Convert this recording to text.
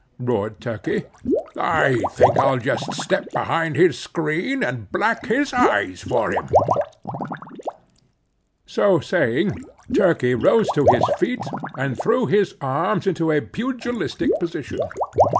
roared Turkey; "I think I'll just step behind his screen, and black his eyes for him!" So saying, Turkey rose to his feet and threw his arms into a pugilistic position.